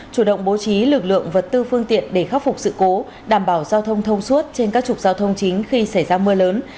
chủ động bố trí lực lượng vật tư phương tiện để khắc phục sự cố đảm bảo giao thông thông suốt trên các trục giao thông chính khi xảy ra mưa lớn